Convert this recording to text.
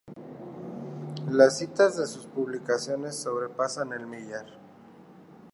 Las citas de sus publicaciones sobrepasan el millar.